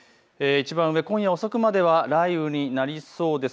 今夜遅くまでは雷雨になりそうです。